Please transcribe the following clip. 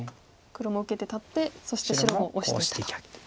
黒も受けて立ってそして白もオシていったと。